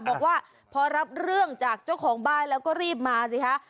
บอกว่าพอรับเรื่องจากเจ้าของบ้านแล้วก็รีบมาสิคะ